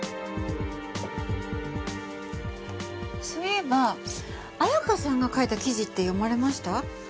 そういえば彩華さんが書いた記事って読まれました？